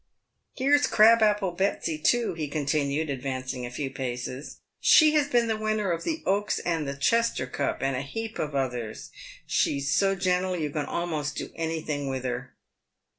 Here's Crab apple Betsy, too," he con tinued, advancing a few paces ;" she has been the winner of the Oaks and the Chester Cup, and a heap of others. She's so gentle, you can a'most do anything with her."